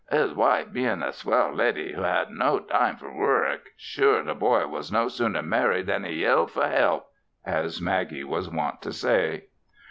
"His wife being a swell leddy who had no time for wurruk, sure the boy was no sooner married than he yelled for help," as Maggie was wont to say.